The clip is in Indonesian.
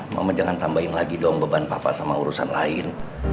mama jangan tambahin lagi dong beban papa sama urusan lain